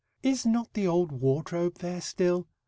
Is not the old ward robe there still?